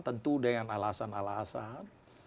tentu dengan alasan alasan